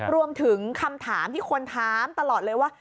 รวมถึงคำถามที่คนถามตลอดเลยว่า